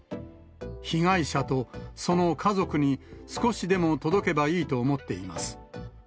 被害者とその家族に少しでも届けばいいと思っています。